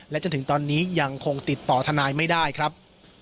จนถึงตอนนี้ยังคงติดต่อทนายไม่ได้ครับ